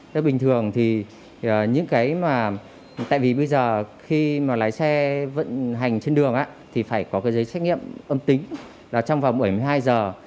thế bình thường thì những cái mà tại vì bây giờ khi mà lái xe vận hành trên đường thì phải có cái giấy xét nghiệm âm tính là trong vòng bảy mươi hai giờ